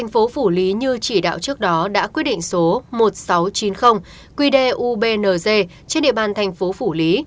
phủ lý như chỉ đạo trước đó đã quyết định số một nghìn sáu trăm chín mươi quy đề ubnd trên địa bàn tp phủ lý